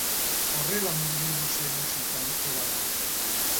Horrela murgildu zen musikan erabat.